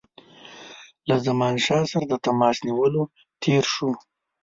له زمانشاه سره د تماس نیولو تېر شو.